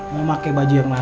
mau pake baju yang mana